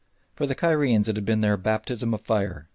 For the Cairenes it had been their "baptism of fire."